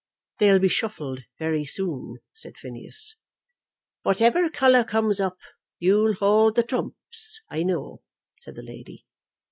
"They'll be shuffled very soon," said Phineas. "Whatever colour comes up, you'll hold trumps, I know," said the lady.